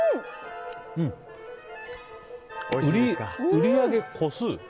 売り上げ個数？